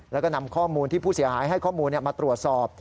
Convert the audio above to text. แล้วก็นำข้อมูลที่ผู้เสียหายให้ข้อมูลมาตรวจสอบ